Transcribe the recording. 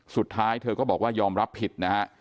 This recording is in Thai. สุดท้ายเธอก็บอกว่ายอมรับผิดนะฮะ